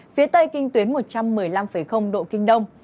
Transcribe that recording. phía tây kinh tuyến một trăm một mươi năm độ kinh đông